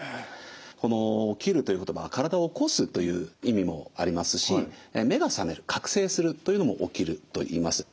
この「起きる」という言葉は体を起こすという意味もありますし目が覚める覚醒するというのも起きるといいます。